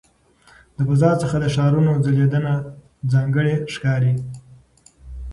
د فضا څخه د ښارونو ځلېدنه ځانګړې ښکاري.